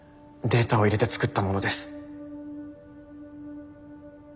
データを入れて作ったものです。